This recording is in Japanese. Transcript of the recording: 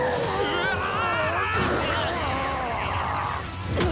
うわああ！